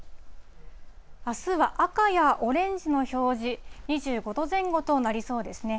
あすは赤やオレンジの表示、２５度前後となりそうですね。